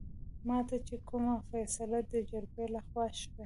ماته چې کومه فيصله دجرګې لخوا شوې